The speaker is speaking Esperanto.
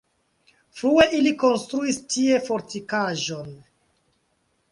Frue ili konstruis tie fortikaĵon.